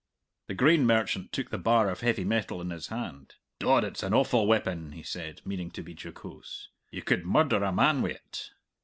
The grain merchant took the bar of heavy metal in his hand. "Dod, it's an awful weapon," he said, meaning to be jocose. "You could murder a man wi't."